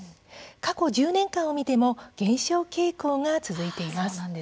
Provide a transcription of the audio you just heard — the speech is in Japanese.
過去１０年間を見ても減少傾向が続いています。